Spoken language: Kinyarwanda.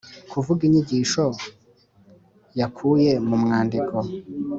Kuvuga inyigisho yakuye mu mwandiko